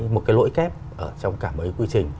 một cái lỗi kép trong cả mấy quy trình